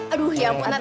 aduh ya ampun nat